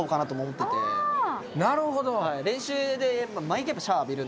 なるほど。